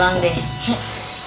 kami tepuk tangan untuk puter